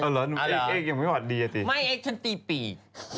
เอ่อเหรอเอ๊กเอ๊กยังไม่วัดดิเลยตีนี่ไม่เอ๊กฉันตีปุ่น